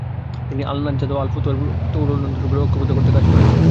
তিনি আল-নাজ্জাদা ও আল-ফুতুয়ার তরুণ আন্দোলনগুলোকে ঐক্যবদ্ধ করতে কাজ করেন।